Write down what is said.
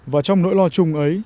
và trong nỗi lo chung ấy